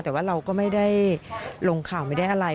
แต่ว่าเราก็ไม่ได้ลงข่าวไม่ได้อะไร